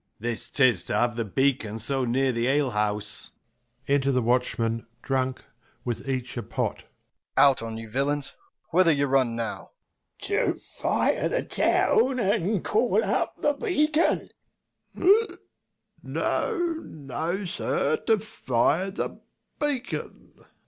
This 'tis, to have the beacon so near the ale house. Enter the Watchmen drunk, with each a pot. First C. Out on ye, villains, whither run you now ? First W. To fire the town, and call up the beacon. Second W. No, no, sir, to fire the beacon.